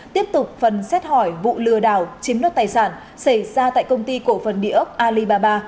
tiếp tục phần xét hỏi vụ lừa đảo chiếm đất tài sản xảy ra tại công ty cổ phần địa ốc alibaba